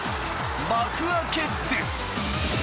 幕開けです！